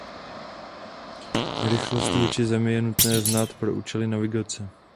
Rychlost vůči zemi je nutné znát pro účely navigace.